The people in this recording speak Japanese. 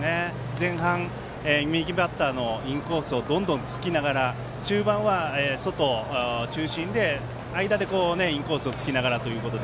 前半、右バッターのインコースをどんどん突きながら中盤は外中心で、間でインコースを突きながら。